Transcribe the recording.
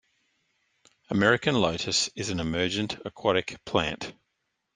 American lotus is an emergent aquatic plant.